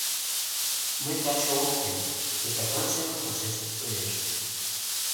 — Мый таче ом керт, — титакан семын вашештыш тунемше.